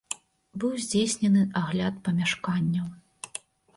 Быў здзейснены агляд памяшканняў.